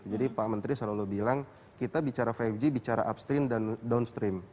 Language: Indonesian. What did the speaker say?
jadi pak menteri selalu bilang kita bicara lima g bicara upstream dan downstream